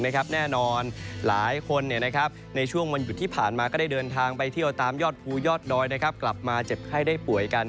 แน่นอนหลายคนในช่วงวันหยุดที่ผ่านมาก็ได้เดินทางไปเที่ยวตามยอดภูยอดดอยกลับมาเจ็บไข้ได้ป่วยกัน